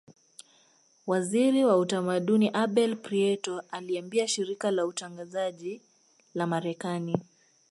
Waziri wa utamaduni Abel Prieto aliiambia shirika la utangazaji la marekani